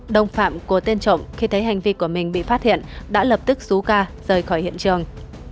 đồng phạm của tên trộm khi thấy hành vi của mình bị phát hiện đã lập tức xú ca rời khỏi hiện trường